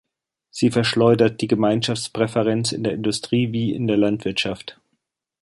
Sie verschleudert die Gemeinschaftspräferenz in der Industrie wie in der Landwirtschaft.